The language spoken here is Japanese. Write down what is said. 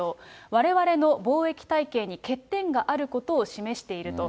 われわれの防疫体系に欠点があることを示していると。